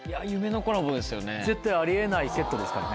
絶対あり得ないセットですからね。